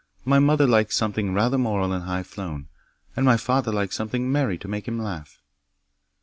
My mother likes something rather moral and high flown, and my father likes something merry to make him laugh.